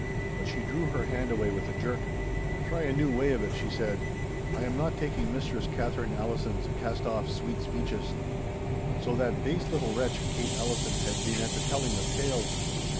But she drew her hand away with a jerk. 'Try a new way of it,' she said; 'I am not taking Mistress Katherine Allison's cast off sweet speeches!' So that base little wretch Kate Allison had been at the telling of tales!